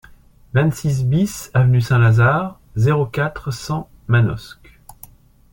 vingt-six BIS avenue Saint-Lazare, zéro quatre, cent, Manosque